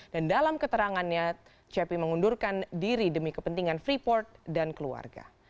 dan dalam keterangannya cepi mengundurkan diri demi kepentingan freeport dan keluarga